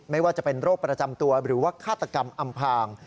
ไม่ว่าจะเป็นโรคประจำตัวหรือว่าฆาตกรรมอำพาง